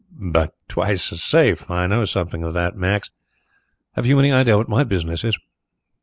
"But twice as safe. I know something of that, Max ... Have you any idea what my business is?"